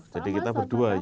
jadi kita berdua ya